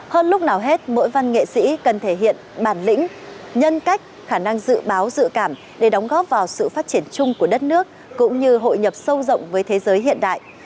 hơn lúc nào hết mỗi văn nghệ sĩ cần thể hiện bản lĩnh nhân cách khả năng dự báo dự cảm để đóng góp vào sự phát triển chung của đất nước cũng như hội nhập sâu rộng với thế giới hiện đại